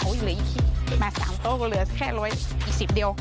ยังเหลืออีกมา๓โต๊ะก็เหลือแค่๑อีก๑๐เดียว